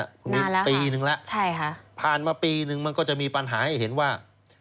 คุณมินปีนึงแล้วผ่านมาปีนึงมันก็จะมีปัญหาให้เห็นว่า